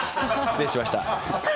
失礼しました。